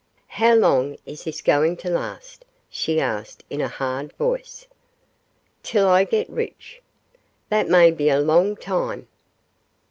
'How long is this going to last?' she asked, in a hard voice. 'Till I get rich!' 'That may be a long time?